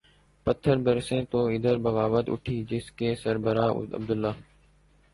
پتھر برسیں تو ادھر بغاوت اٹھی جس کے سربراہ عبداللہ